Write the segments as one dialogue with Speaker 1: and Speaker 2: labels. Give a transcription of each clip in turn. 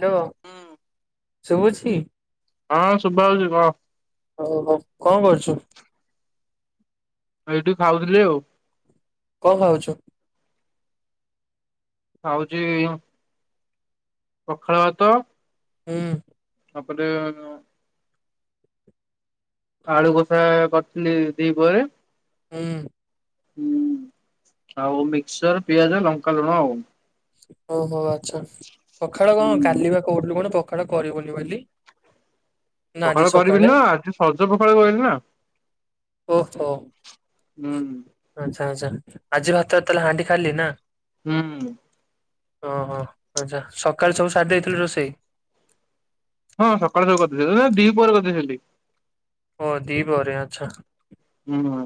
Speaker 1: Hello
Speaker 2: ହଁ
Speaker 1: ଶୁଭୁଛି?
Speaker 2: ଶୁଭା ହଉଛି କହ
Speaker 1: ଓ ହଉ କଣ କରୁଛୁ?
Speaker 2: ଏଇଠୁ ଖାଉଥିଲି ଆଉ।
Speaker 1: କଣ ଖାଉଛୁ?
Speaker 2: ଖାଉଛି ପଖାଳ ଭାତ।
Speaker 1: ହୁଁ।
Speaker 2: ଆପରେ ଆଁ ଆଳୁ କଷା କରିଥିଲି ଦି ପହରେ।
Speaker 1: ହୁଁ।
Speaker 2: ହୁଁ ଆଉ ମିକ୍ସର, ପିଆଜ, ଲଙ୍କା, ଲୁଣ ଆଉ।
Speaker 1: ଓହୋ ଆଚ୍ଛା ପଖାଳ
Speaker 2: ହୁଁ
Speaker 1: କଣ କାଲି ବା କୋଉଥିଲୁ କଣ ପ କଣା କରିବୁନି ବୋଲିି।
Speaker 2: ପଖାଳ କରିବିନି ନା ଆଜି ସଜ ପଖାଳ କହିଲି ନା।
Speaker 1: ଓହୋ
Speaker 2: ହୁଁ
Speaker 1: ଆଚ୍ଛା ଆଚ୍ଛା। ଆଜି ଭାତ ତାହେଲେ ହାଣ୍ଡି ଖାଇଲି ନା?
Speaker 2: ହୁଁ।
Speaker 1: ଓହୋ ଆଚ୍ଛା ସକାଳ ସବୁ ସାରି ଦେଇଥିଲୁ ରୋଷେଇ?
Speaker 2: ହଁ ସକାଳୁ ସବୁ କରିଦେଇଥିଲି ନା ଦି ପରେ କରିଦେଇଥିଲି।
Speaker 1: ଓ ଦିପ ପରେ ଆଛା।
Speaker 2: ହୁଁ ହଁ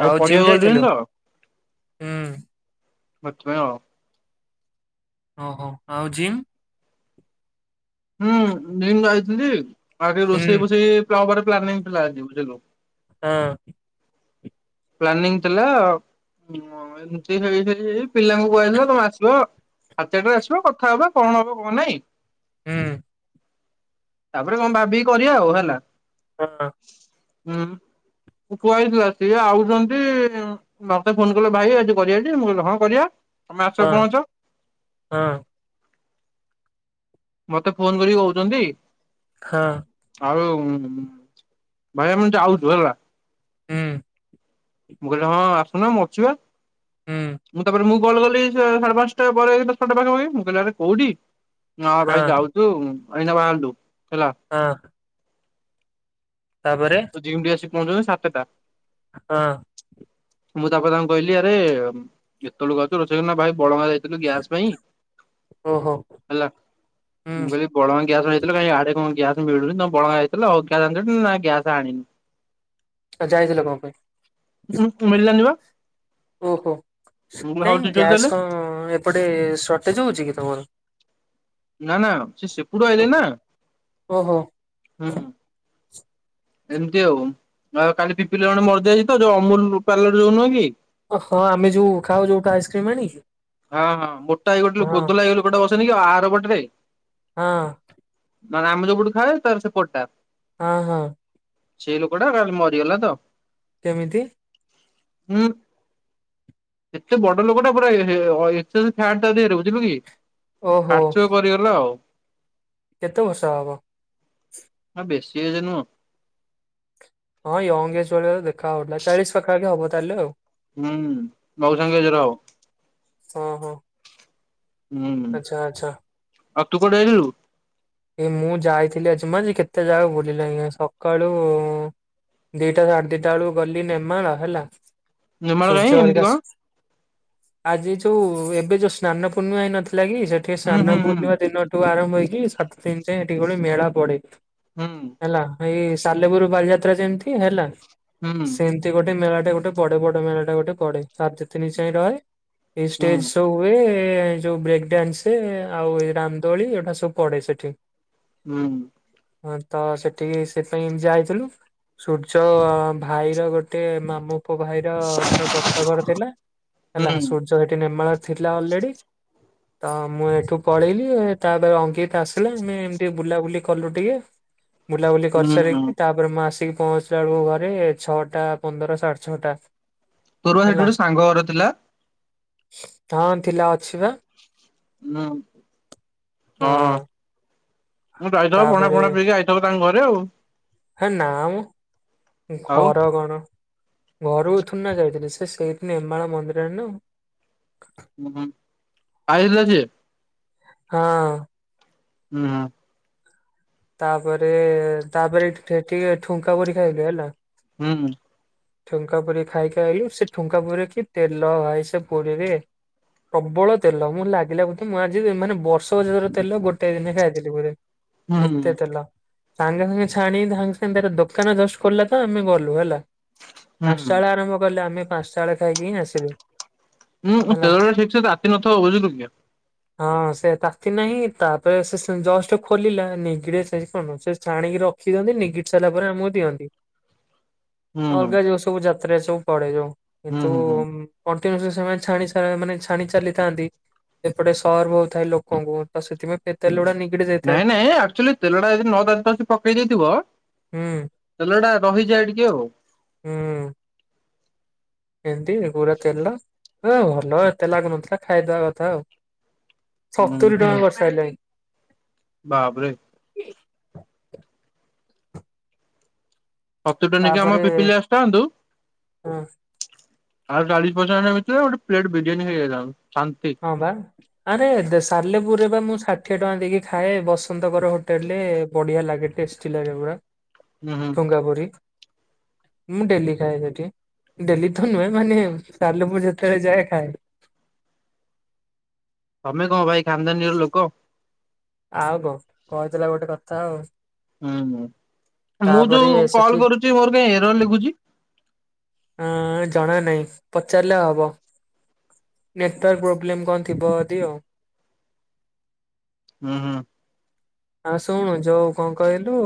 Speaker 2: ଆଗ ପଢିବାକୁ
Speaker 1: ଯାଇଥିଲୁ
Speaker 2: ଯାଇଥିଲି ତ।
Speaker 1: ହୁଁ
Speaker 2: [unintelligible]
Speaker 1: ଓହୋ ଆଉ ଜିମ୍?
Speaker 2: ହୁଁ ନିମଁ ଯାଇଥିଲି ଆଗରେ
Speaker 1: ହୁଁ
Speaker 2: ରୋଷେଇ ବସେଇ ପ୍ଲକ୍ ରେ ପ୍ଲାନିଂ ଥିଲା ଆଜି ବୁଝିଲୁ?
Speaker 1: ହଁ।
Speaker 2: ପ୍ଲନିଂ ଥିଲା। ହୁଁ ଅ ଏମତି ହେଇ ହେଇ ହେଇ ପିଲାଙ୍କୁ କୁହାହେଇଥିବ ତମେ ଆସିବ। ସାଡେ ଚାରିଟା ରେ ଆସିବା କଥା ହବା କଣ ହବ କଣ ନାଇଁ।
Speaker 1: ହୁଁ।
Speaker 2: ତାପରେ କଣ ଭାବି କରିବା ଆଉ ହେଲା।
Speaker 1: ହଁ।
Speaker 2: ହୁଁ କୁଆହେଇଥିଲା ସିଏ ଆଉ। ଛନ୍ତି ମୋତେ ଫୋନ କଲେ ଭାଇ ଆଜି କରିବା ଟି ମୁଁ କହିଲି ହଁ କରିବା। ତମେ ଆସ
Speaker 1: ହଁ
Speaker 2: ପହଞ୍ଚ।
Speaker 1: ହଁ
Speaker 2: ମତେ ଫୋନ କରିକି କହୁଛନ୍ତି।
Speaker 1: ହଁ।
Speaker 2: ଆଉ ଭାଇ ଆମେ ଯାଉଛୁ ହେଲା।
Speaker 1: ଉଁ।
Speaker 2: ମୁଁ କହିଲି ହଁ ଆସୁନା ମୁଁ ଅଛିିବା,
Speaker 1: ହୁଁ
Speaker 2: ମୁଁ ତାପରେ ମୁଁ। କଲ କଲି ସାଢେ ପାଞ୍ଚଟା ପରେ ଛ ଟା ପାଖା ପାଖି ମୁଁ କହିଲି ଆରେ କୋଉଠି? ନା ହଁ ଭାଇ ଯାଉଛୁ ଆଇନା ବାହାରିଲୁ। ହେଲା
Speaker 1: ଆଁ। ତାପରେ।
Speaker 2: ଜିମ୍ ଟିକେ ଆସି ପହଞ୍ଚୁଛନ୍ତି ସାତେଟା।
Speaker 1: ହଁ
Speaker 2: ମୁଁ ତାପରେ ତାଙ୍କୁ କହିଲି ଆରେ ଏତେବେଳକୁ ଆଉଛୁ ରୋଷେଇ ନା ଭାଇ। ବଡମ୍ବା ଯଇଥିଲୁ ଗ୍ୟାସ ପାଇଁ
Speaker 1: ଓହୋ
Speaker 2: ହେଲା
Speaker 1: ହୁଁ
Speaker 2: ମୁଁ କହିଲି ବଡମ୍ୱା ଗ୍ୟାସ ପାଇଁ। ଯାଇଥିଲ କାଁଇ ଆଡେ କଣ ଗ୍ୟାସ ମିଳୁନି ତମେ ବଡ଼ମ୍ବା ଯାଇଥିଲ ହଉ ଗ୍ୟାସ ଆନିଚଟି ନା ନାଇ ଗ୍ୟାସ ଆଣିନୁ।
Speaker 1: ଯାଇଥିଲ କଣ ପାଇଁ
Speaker 2: ଉଁ ହୁଁ ମିଳିଲାନି ବା।
Speaker 1: ଓହୋ
Speaker 2: ମୁଁ କହିଲି ହଉ
Speaker 1: କାଇଁ
Speaker 2: ଠିକ୍ ଅଛି
Speaker 1: ଗ୍ୟାସ୍
Speaker 2: ତାହେଲେ
Speaker 1: କଣ ଏପଟେ ସର୍ଟେଜ ହଉଛି କି ତମର?
Speaker 2: ନା ନା ସେ ସେପୁଟୁ ଆଇଲେ ନା
Speaker 1: ଓହୋ
Speaker 2: ହୁଁ। ଏମିତି ଆଉ ଆଉ କାଲି ପିପିଲି ଜଣେ ମରିଯାଇଛି ତ ଯୋଉ ଅମୁଲ ପାର୍ଲର ଯୋଉ ନୁହେଁ କି।
Speaker 1: ଓ ହୋ ଆମେ ଯୋଉ ଖାଉ ଯୋଉଠୁ ଆଇସ୍କ୍ରିମ ଆଣିକି।
Speaker 2: ହଁ ହଁ ମୋଟା ହେଇ ଗୋଟେ
Speaker 1: ହଁ
Speaker 2: ଲୋକ ଗୋଦଲା ହେଇ ଲୋକ ଟା ବସେନି କି ଆରପଟରେ।
Speaker 1: ହଁ।
Speaker 2: ନା ନା ଆମେ ଯୋଉ ପଟେ ଖେଳୁ ତାର ସେପଟ ଟା।
Speaker 1: ହଁ ହଁ।
Speaker 2: ସେଇ ଲୋକ ଟା କାଲି ମରିଗଲା ତ।
Speaker 1: କେମିତି।
Speaker 2: ହୁଁ ଏତେ ବଡ ଲୋକଟା ପରା ଏ ସିଏ ଅଏ ଏକ୍ସେସ୍ ଫ୍ୟାଟ ତା ଧିଏରେ ବୁଝିଲୁ କି
Speaker 1: ଓହୋ
Speaker 2: ହାର୍ଟଚୋକ କରିଗଲା ଆଉ।
Speaker 1: କେତେ ବର୍ଷ ହବ।
Speaker 2: ନା ବେଶି ଏଜ ନୁହଁ।
Speaker 1: ହଁ ୟଙ୍ଗ ଏଜ୍ ଭଳିଆ ତ ଦେଖା ଜାଉଥିଲା ଚାଳିଶ ପାଖା ପାଖି ହବ ତାହେଲେ ଆଉ।
Speaker 2: ହୁଁ ମଉସା ଙ୍କ ଏଜ ର ହବ।
Speaker 1: ହଁ ହଁ।
Speaker 2: ହୁଁ
Speaker 1: ଆଛା ଆଛା।
Speaker 2: ଆଉ ତୁ କୁଆଡେ ଯାଇଥିଲୁ।
Speaker 1: ଏ ମୁଁ ଯାଇଥିଲି ଆଜି ମୁଁ ଆଜି କେତେ ଜାଗା ବୁଲି ଲେଇଁ ସକାଳୁ। ଦିଟା ସାଢେ ଦିଟା ବେଳୁକୁ ଗଲି ନେମାଳ ହେଲା।
Speaker 2: ନିମାଳ
Speaker 1: ସୂର୍ଯ୍ୟ
Speaker 2: କାଇଁ
Speaker 1: ହରିକା
Speaker 2: ଏମିତି କଣ?
Speaker 1: ଆଜି ଯୋଉ ଏବେ ଯୋଉ ସ୍ନାନ ପୂର୍ଣ୍ଣିମା ହେଇ ନଥିଲା କି ସେଠି
Speaker 2: ହୁଁ ହୁଁ
Speaker 1: ସ୍ନାନ
Speaker 2: ହୁଁ।
Speaker 1: ପୂର୍ଣ୍ଣିମା ଦିନଠୁ ଆରମ୍ଭ। ହେଇକି ସାତ ଦିନ ଯାଏ ସେଠି ଗୋଟେ ମେଳା ପଡେ।
Speaker 2: ହୁଁ।
Speaker 1: ହେଲା ଏଇ ସାଲେପୁର ବାଲିଯାତ୍ରା ଯେମିତି ହେଲା।
Speaker 2: ହୁଁ
Speaker 1: ସେମିତି ଗୋଟେ ମେଳା। ଗୋଟେ ପଡେ ବଡ ମେଳା ଟା ଗୋଟେ ପଡେ ସାଢ ଦିନି ଯାଏ ରହେ ଏଇ
Speaker 2: ହୁଁ
Speaker 1: ଷ୍ଟେଜ ଶୋ ହୁଏ। ଏ ଯୋଉ ବ୍ରେକ୍ ଡ୍ୟାନ୍ସ ଆଉ ଏ ରାମଦୋଳି ଏଗୁଡା ସବୁ ପଡେ ସେଠି।
Speaker 2: ହୁଁ।
Speaker 1: ହଁ ତ ସେଠିକି ସେପାଇ ଯାଇଥିଲୁ। ସୂର୍ଯ୍ୟ ଭାଇର ଗୋଟେ ମାମୁଁ ପୁଅ ଭାଇର ତାର ବ୍ରତ ଘର ଥିଲା।
Speaker 2: ହୁଁ
Speaker 1: ହେଲା ସୁଯ୍ୟ ହେଠି ନିର୍ମଳା ଥିଲା ଅଲରେଡ଼ି। ତ ମୁଁ ଏଠୁ ପଳେଇଲିି ତାପରେ ଅଙ୍କିତ ଆସ ଆମେ ଏମତି ବୁଲାବୁଲି କଲୁ ଟିକେ ବୁଲାବୁଲି
Speaker 2: ହୁଁ।
Speaker 1: କରିସାରିକି ତାପରେ ମା ଆସିକି ପହଞ୍ଚିଲା ବେଳକୁ ଘରେ ଛଅଟା ପନ୍ଦର ସାଢେ ଛଅଟା।
Speaker 2: ତୋର ସେଇଠି ଗୋଟେ ସାଙ୍ଗ ଘର ଥିଲା?
Speaker 1: ତ ଥିଲା ଅଛି ବା।
Speaker 2: ହୁଁ ହଁ। ମୁଁ ଯଇଥବ ପଣା
Speaker 1: ତାପରେ
Speaker 2: ପଣା ପିଇକି ଆଇଥବ ତାଙ୍କ ଘରେ ଆଉ?
Speaker 1: ହେ ନା
Speaker 2: ଆଉ
Speaker 1: ଘର [inaudible] ଘରୁକୁ ଥୁନା ଯାଇଥିଲି ସେ ସେଇଥିି ନିର୍ମଣ ମନ୍ଦିରରେ ନା।
Speaker 2: ହ ଆଇଥିଲ ସେ
Speaker 1: ହଁ।
Speaker 2: ନା।
Speaker 1: ତାପରେ ତାପରେ ଟିକେ ଠୁଙ୍କା ପୁରି ଖାଇଲେ ହେଲା।
Speaker 2: ହୁଁ।
Speaker 1: ଠୁଙ୍କା ପୁରୀ ଖାଇକୁ ସେ ଠୁଙ୍କା ପୁରୀ କି ତେଲ ହାଏ ସେ ପୁରୀରେ। ପ୍ରବଳ ତେଲ ମୁଁ ଲାଗିଲା ବୋଧେ ମୁଁ ଆଜି ମାନେ ବର୍ଷ ବର ତେଲ ଗୋଟେ ଦିନେ ଖାଇଥିଲି ବୋଧେ।
Speaker 2: ହୁଁ
Speaker 1: ଏତେ
Speaker 2: ହୁଁ
Speaker 1: ତେଲ, ସାଙ୍ଗେ ସାଙ୍ଗେ ଛାଣି ସାଙ୍ଗେ ସାଙ୍ଗେ ତାର ଦୋକାନ ଜଷ୍ଟ କିଲ ତ ଆମେ ଗଲୁ ହେଲା।
Speaker 2: ହୁଁ।
Speaker 1: ପାଞ୍ଚଟା ବେଳ ଆରମ୍ଭ କଲେ ଆମେ ପାଞ୍ଚଟା ବେଳେ ଖାଇକି ହିଁ ଆସିଲୁ।
Speaker 2: ହୁଁ [unintelligible]
Speaker 1: ହେଲା।
Speaker 2: ତାତି ନଥିବ ବୁଝିଲୁକି।
Speaker 1: ହଁ ସେ ତାତି ନାହିଁ ତାପରେ ସେ ଜଷ୍ଟ ଖୋଲିଲା। ନିଗିଡ ସେ କଣ ସେ ଛାଣିକି ରଖି ଦିଅନ୍ତି ନିଗିଡି ସାରିଲା ପରେ ଆମକୁ ଦିଅନ୍ତି।
Speaker 2: ହୁଁ
Speaker 1: ଅଲଗା
Speaker 2: ହୁଁ
Speaker 1: ଯୋଉ ସବୁ ଯାତ୍ରା ସବୁ ପଡେ ଯୋଉ କିନ୍ତୁ
Speaker 2: ହୁଁ ହୁଁ।
Speaker 1: ସେମାନେ ଛାଣି ମାନେ ଛାଣି ଚାଲିଥାନ୍ତି। ଏପଟେ ସର୍ବ ହୋଉଥାଏ ଲୋକଙ୍କୁ ତ ସେଥିପାଇଁ ସେ ତେଲ ଗୁଡା ନିଗିଡି ଯାଇଥାଏ।
Speaker 2: ନଁ ଆଚୁଆଲି ତେଲ ଟା ଯଦି ନ ଦ ପକେଇ ଦେଇଥିବ
Speaker 1: ହୁଁ
Speaker 2: ତେଲ ଟା ରହିଯାଏ ଟିକେ ଆଉ।
Speaker 1: ହୁଁ ହୁଁ। ଏମତି ପୁରା ତେଲ ଭଲ ଏତେ ଲାଗୁନଥିଲା ଖାଇଦବା କଥା ଆଉ। ସତୁରୀ ଟଙ୍କା କରିସାରିଲେଣି।
Speaker 2: ବାବରେ। ସତୁରି ଟଙ୍କା ନେଇକି ଆମ
Speaker 1: ତାପରେ
Speaker 2: ପିପିଲି ଅସିଥାନ୍ତୁ।
Speaker 1: ହଁ
Speaker 2: ଆଉ ଚାଳିଶ ପଚାଶ ଟଙ୍କା ଭିତରେ ଗୋଟେ ପ୍ଲେଟ ବିରିୟାନୀ ଖାଇଲେନାନି।
Speaker 1: ହଁ ବା ଆରେ ସାଲେପୁର ବା ମୁଁ ଷାଠିଏ ଟଙ୍କା ଦେଇକି ଖାଏ ବସନ୍ତଙ୍କର ହୋଟେଲ ରେ ବଢିଆ ଲାଗେ ଟେଷ୍ଟି ଲାଗେ ପୁରା।
Speaker 2: ହୁଁ ହୁଁ
Speaker 1: ତୁଙ୍ଗାପୁରୀ। ମୁଁ ଡେଲି ଖାଏ ସେଠି ଡେଲି ତ ନୁହେଁ ମାନେ ସାଲେପୁରୁ ଯେତେବେଳେ ଯାଏ ଖାଏ।
Speaker 2: ତମେ କଣ ଭାଇ ଖାନଦାନିର ଲୋକ?
Speaker 1: ଆଉ କହୁ କହିଥିଲା ଗୋଟେ କଥା ଆଉ।
Speaker 2: ହୁଁ ହୁଁ ମୁଁ
Speaker 1: ତାପରେ
Speaker 2: ଯୋଉ କଲ
Speaker 1: ସେଠି
Speaker 2: କରୁଛି ମୋର କାଇଁ ଏରର ଲେଖୁଛି?
Speaker 1: ହ ଜଣା ନାହିଁ ପଚାରିଲେ ହବ। ନେଟୱାର୍କ ପ୍ରୋବ୍ଲେମ କଣ ଥିବ ଅଦି ଆଉ।
Speaker 2: ହୁଁ ହୁଁ।
Speaker 1: ଆଉ ଶୁଣୁ ଯୋଉ କଣ କହିଲୁ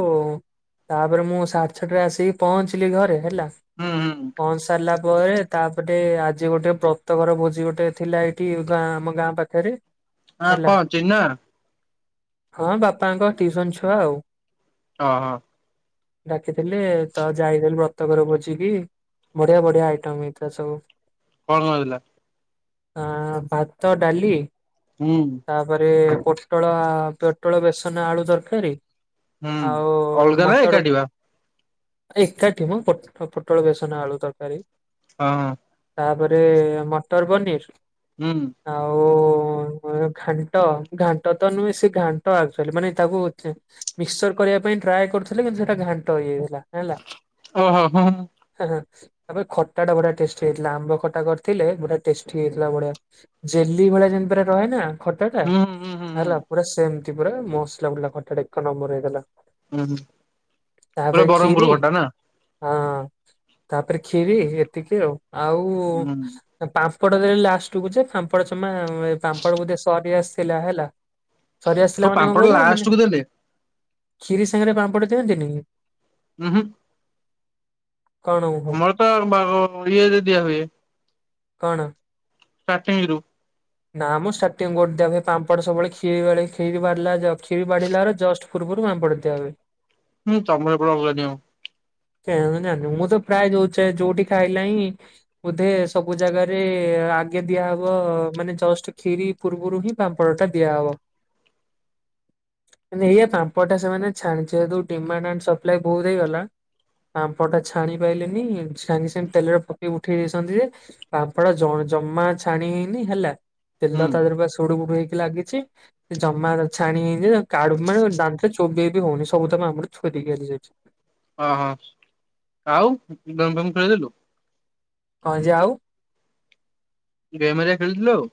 Speaker 1: ତାପରେ ମୁଁ ସାଢ଼େ ଛଅରେ ଆସିକି ପହଞ୍ଚିଲି ଘରେ ହେଲା
Speaker 2: ହୁଁ ହୁଁ
Speaker 1: ପହଞ୍ଚି ସାରିଲା ପରେ ତାପରେ ଆଜି ଗୋଟେ ବ୍ରତଘର ଭୋଜି ଗୋଟେ ଥିଲା ଏଇଠି ଗାଁ ଆମ ଗାଁ ପାଖରେ।
Speaker 2: ହଁ
Speaker 1: ହେଲା
Speaker 2: କଣ ଚିହ୍ନା?
Speaker 1: ହଁ ବାପାଙ୍କ ଟ୍ୟୁସନ୍ ଛୁଆ ଆଉ।
Speaker 2: ହଁ ହଁ।
Speaker 1: ଡାକିଥିଲେ ତ ଯାଇଥିଲେ ବ୍ରତ ଘର ଭୋଜି କି। ବଢ଼ିଆ ବଢ଼ିଆ ଆଇଟମ୍ ହେଇଥିଲା ସବୁ।
Speaker 2: [unintelligible] ହେଇଥିଲା।
Speaker 1: ଆ ଭାତ, ଡ଼ାଲି
Speaker 2: ହୁଁ
Speaker 1: ତାପରେ ପୋଟଳ ପୋଟଳ ବେସନ ଆଳୁ ତରକାରୀ।
Speaker 2: ହୁଁ
Speaker 1: ଆଉ
Speaker 2: ଅଲଗା ନା
Speaker 1: ମଟର
Speaker 2: ଏକାଠି ବା
Speaker 1: ଏକାଠି ମ [unintelligible] ପୋଟଳ ବେସନ ଆଳୁ ତରକାରୀ।
Speaker 2: ହଁ।
Speaker 1: ତାପରେ ମଟର ପନିର୍
Speaker 2: ହଁ ହୁଁ
Speaker 1: ଆଉ [unintelligible] ଘାଣ୍ଟ ଘାଣ୍ଟ ତ ନୁହେଁ ସେ ଘାଣ୍ଟ ଆ ମାନେ ତାକୁ ମିକ୍ସଚର କରିବା ପାଇଁ ଟ୍ରାଏ କରୁଥିଲେ କିନ୍ତୁ ସେଟା ଘାଣ୍ଟ ହେଇଗଲା। ହେଲା
Speaker 2: ଓହୋ ହୁଁ
Speaker 1: [unintelligible] ତାପରେ ଖଟା ଟା ବଢ଼ିଆ ଟେଷ୍ଟି ହେଇଥିଲା ଆମ୍ବ ଖଟା କରିଥିଲେ ପୁରା ଟେଷ୍ଟି ହେଇଥିଲା ବଢ଼ିଆ ଜେଲି ଭଳିଆ ରହେନା। ଖଟା ଟା
Speaker 2: ହୁଁ ହୁଁ ହୁଁ
Speaker 1: ହେଲା ପୁରା ସେମିତି ପୁରା ମସଲା [unintelligible] ଖଟା ଟା ଏକ ନମ୍ବର ହେଇଥିଲା।
Speaker 2: ହୁଁ ହୁଁ
Speaker 1: ତାପରେ
Speaker 2: ପୁରା
Speaker 1: ଖିରି
Speaker 2: ବରଂପୁରୁ ଖଟା ନା?
Speaker 1: ହଁ ତାପରେ ଖିରି ଏତିକି ଆଉ ଆଉ
Speaker 2: ହୁଁ
Speaker 1: ପା ପାମ୍ପଡ଼ ଦେଲେ ଲାଷ୍ଟ୍ କୁ ଯେ ପାମ୍ପଡ଼ ଯମା ପାମ୍ପଡ଼ ବୋଧେ ସରି ଆସିଥିଲା ହେଲା।
Speaker 2: କୋଉ
Speaker 1: ପିଲାମାନେ କଣ
Speaker 2: ପାମ୍ପଡ
Speaker 1: କହିଲୁ ମାନେ
Speaker 2: ଲାଷ୍ଟକୁ ଦେଲେ
Speaker 1: ଖିରି ସାଙ୍ଗରେ ପାମ୍ପଡ଼ ଦିଅନ୍ତିନି?
Speaker 2: ହୁଁ ହୁଁ।
Speaker 1: କଣ ଓହୋ
Speaker 2: ଆମର ତ [unintelligible] ଇଏ ରେ ଦିଆ ହୁଏ।
Speaker 1: କଣ?
Speaker 2: ଷ୍ଟାର୍ଟିଂ ରୁ।
Speaker 1: ନା ମୁଁ ଷ୍ଟାର୍ଟିଂ ଗୋଟେ ବି ପାମ୍ପଡ ସବୁବେଳେ ଖିରି [unintelligible] ଖିରି ବାଢିଲା ବେଳୁ ଜଷ୍ଟ୍ ଆଗରୁ ପାମ୍ପଡ଼ ଦିଆହୁଏ।
Speaker 2: ହୁଁ ତମର ପୁରା ଅଲଗା ନିୟମ।
Speaker 1: କେଇଆଣି ମୁଁ ଜାଣିନି ମୁଁ ତ ପ୍ରାୟ ଯୋଉ ଯୋଉଠି ଖାଇଲେ ହିଁ ବୋଧେ ସବୁ ଜାଗାରେ ଆଗେ ଦିଆହବ ମାନେ ଜଷ୍ଟ୍ କ୍ଷୀରି ପୂର୍ବରୁ ହିଁ ପାମ୍ପଡ଼ ଟା ଦିଆହବ। ମାନେ ଏଇଆ ପାମ୍ପଡ଼ ଟା ସେମାନେ [unintelligible] ଡିମାଣ୍ଡ୍ ଆଣ୍ଡ୍ ସପାଲାଇ ବହୁତ୍ ହେଇଗଲା। ପାମ୍ପଡ଼ ଟା ଛାଣି ପାଇଲେନି ସାଙ୍ଗେ ସାଙ୍ଗେ ତେଲରେ ପକେଇକି ଉଠେଇ ଦେଇଛନ୍ତି ଯେ ପାମ୍ପଡ଼ ଜ ଜମା ଛାଣି ହେଇନି ହେଲା
Speaker 2: ହୁଁ
Speaker 1: ତେଲ ତା ଦେହ ଜୁଡୁ ବୁଡୁ ହେଇକି ଲାଗିଛି ଜମା ଛାଣି ହେଇନି କାଡୁ ମାଡୁ ମାନେ ଦାନ୍ତ ରେ ଚୋବେଇ ବି ହଉନି ସବୁ ତ [unintelligible]
Speaker 2: ଓ ହଁ ଆଉ [unintelligible]
Speaker 1: ହଁ ଯେ ଆଉ
Speaker 2: ଗେମ ହେରିକା ଖେଳୁଥିଲ ଆଉ?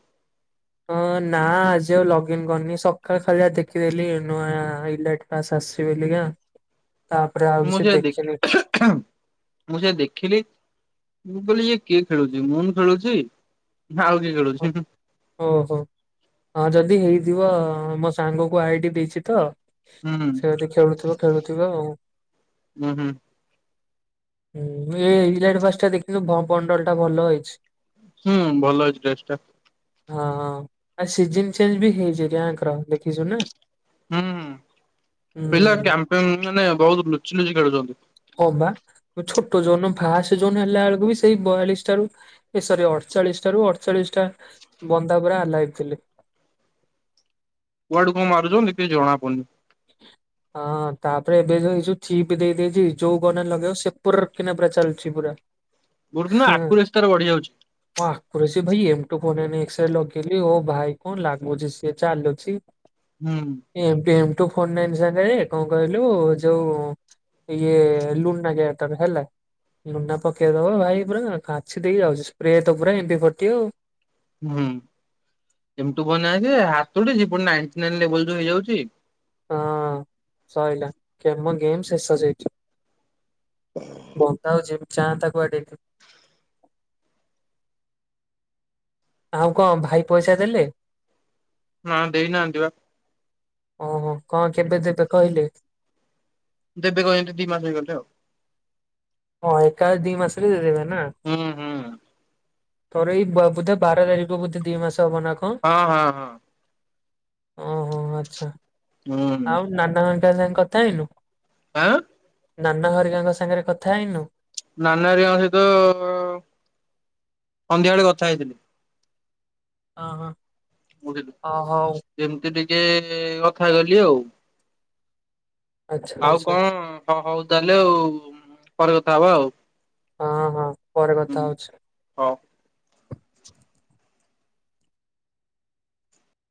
Speaker 1: ହଁ ନା ଆଜି ଆଉ ଲଗିନ୍ କରନି ସକାଳ ଖାଲି ଆଉ ଦେଖିଦେଲି [unintelligible] ସିବି [unintelligible]
Speaker 2: ମୁଁ ଯା ଦେଖି ମୁଁ ଯାହା ଦେଖିଲି। ମୁଁ କହିଲି ଇଏ କିଏ ଖେଳୁଛି ମୁଁ ଖେଳୁଛି। ଆଉ କିଏ ଖେଳୁଛି
Speaker 1: ଓ
Speaker 2: ହୁଁ।
Speaker 1: ହୋ ହଁ ଜ ଯଦି ହେଇଥିବ ମୋ ସାଙ୍ଗକୁ ଆଇଡି ଦେଇଛି ତ।
Speaker 2: ହୁଁ
Speaker 1: ସେ ଯଦି ଖେଳୁଥିବ ଖେଳୁଥିବ ଆଉ।
Speaker 2: ହୁଁ ହୁଁ।
Speaker 1: ହୁଁ ଏଇ [unintelligible] ପଣ୍ଡଳ ଟା ଭଲ ହେଇଛି?
Speaker 2: ହୁଁ ଭଲ ହେଇଛି ଡ୍ରେସ ଟା।
Speaker 1: ହଁ ହଁ ଆଉ ସିଜନ ଚେଞ୍ଜ ବି ହେଇଛି ଗାଁଙ୍କର। ଦେଖିଛୁ ନା?
Speaker 2: ହୁଁ ପିଲା
Speaker 1: ହୁଁ
Speaker 2: କ୍ୟାମ୍ପିୟନ ମାନେ ବହୁତ ଲୁଚି ଲୁଚି ଖେଳୁଛନ୍ତି।
Speaker 1: ହଁ ବା, ଛୋଟ ଯୋଉ ଦିନ ଭାସ ଯୋନ ହେଲା ବେଳକୁ ବି ସେଇ ବୟାଳିଶ ଠାରୁ ୟେ ସୋରି ଅଠ ଚାଳିଶ ଠାରୁ ଅଠଚାଳିଶ ଟା ବନ୍ଦା ପୁରା ଲାଇଫ ଥିଲେ।
Speaker 2: କୁଆଡୁ କଣ ମାରୁଛ କିଛି ଜଣା ପଡୁନି।
Speaker 1: ହଁ ତାପରେ ଏବେ ଯୋଉ ଏଇ ଚିପ ଦେଇଦେଇଛି ଯୋଉ ବଲ ଲଗେଇବ ସେ ପୁରର କିନା ପୁରା ଚାଲୁଛି ପୁରା।
Speaker 2: ଗୋଟେ ଦିନ
Speaker 1: ହଁ,
Speaker 2: ଆକୁରେସି ତାର ବଢି ଯାଉଛି
Speaker 1: ବାଃ କୁରସି ଭାଇ ଏମ ଟୁ ଫନ ନେ ସେଟା ଲଗେଲି ଅହ ଭାଇ କଣ ଲାଗୁଛି, ସେ ଚାଲୁଛି
Speaker 2: ହୁଁ।
Speaker 1: A M P M M two nine ସାଙ୍ଗରେ କଣ କହିଲୁ ଯୋଉ ଇଏ ଲୁନା କେୟାର ତା ପରେ ହେଲା। ଲୁନା ପକେଇ ଦବ ଭାଇ ପୁରା କାଞ୍ଚ ଦେଇ ଇସ୍ପ୍ରେ ତ ପୁରା ଏବେ ପକେଇବୁ,
Speaker 2: ହୁଁ [unintelligible] ନାଇଯେ ହାତଟି ଯେପରି ନାଇନଟି ନାଇନ ଲେବଲ ରେ ହେଇଯାଉଛି।
Speaker 1: ହଁ ସରିଲା, କେମନ ଗେମ୍ ଶେଷ ଯେଇଛି। ବତାଉଛି ଚାଁ ତାକୁୁ ଏଡିଟ [unintelligible] ଆଉ କ'ଣ ଭାଇ ପଇସା ଦେଲେ?
Speaker 2: ନାଁ, ଦେଇ ନାହାନ୍ତି ବା।
Speaker 1: ଓହୋ, କଣ କେବେ ଦେବେ କହିଲେ?
Speaker 2: ଦେବେ କହିଲେ ଦିମାସେ ଗଲେ ଆଉ।
Speaker 1: ହାଁ ଏଇ କାଳେ ଦି ମାସରେ ଦେଇଦେବେ ନା?
Speaker 2: ହୁଁ ହୁଁ
Speaker 1: ତୋର ଏଇ ବ ବୋଧେ ବାର ତାରିଖ ବୋଧେ ଦିଇ ମାସ।
Speaker 2: ହଁ ହାଁ ହଁ।
Speaker 1: ହୁଁ ହୁଁ ଆଚ୍ଛା,
Speaker 2: ହୁଁ
Speaker 1: ଆଉ ନାନାଙ୍କ ସାଙ୍ଗେରେ କଥା ହେଲୁ?
Speaker 2: ଆଁ?
Speaker 1: ନାନା ହେରିିକାଙ୍କ ସାଙ୍ଗରେ କଥା ହେଇନୁ?
Speaker 2: ନାନା ହେରିକାଙ୍କ ସହିତ ସନ୍ଧ୍ୟା ବେଳେ କଥା ହେଇଥିଲି।
Speaker 1: ହଁ ହଁ।
Speaker 2: ମୁଁ ଟିକେ ଏମିତି ଟିକେ ଏ ଏ କଥା କଲି ଆଉ।
Speaker 1: ଆଚ୍ଛା
Speaker 2: ଆଉ
Speaker 1: ଆଚ୍ଛା
Speaker 2: କଣ? ହଁ ହଉ ତାହେଲେ ଆଉ ପରେ କଥା ହବା ଆଉ।
Speaker 1: ହାଁ ହଁ ପରେ
Speaker 2: ହୁଁ
Speaker 1: କଥା ହଉଛି।
Speaker 2: ହଉ।